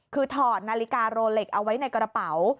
คือถอดนาฬิกาโรเล็กเอาไว้ในกระเป๋า